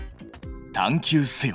探究せよ！